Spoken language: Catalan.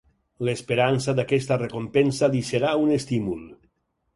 L'esperança d'aquesta recompensa li serà un estímul.